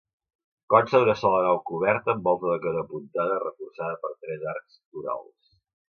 Consta d'una sola nau coberta amb volta de canó apuntada reforçada per tres arcs torals.